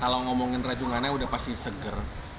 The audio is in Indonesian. kalau ngomongin ranjungannya sudah pasti segar